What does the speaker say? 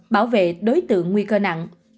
bảo vệ đối tượng nguy cơ nặng